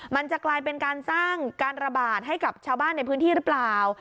มันจะกลายเป็นการสร้างการระบาดให้กับชาวบ้านในพื้นที่หรือเปล่า